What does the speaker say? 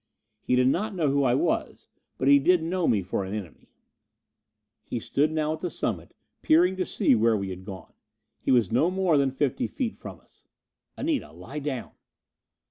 He did not know who I was, but he did know me for an enemy. He stood now at the summit, peering to see where we had gone. He was no more than fifty feet from us. "Anita, lie down."